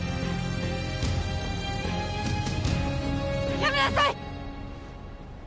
やめなさい！